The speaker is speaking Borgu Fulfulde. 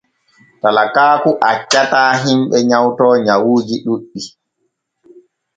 Talakaaku accataa himɓe nyawto nyawuuji ɗuuɗɗi.